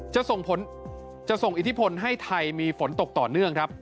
จะส่งอิทธิพลให้ไทยมีฝนตกต่อเนื่องครับ